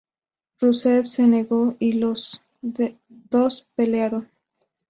Rusev se negó y los dos pelearon.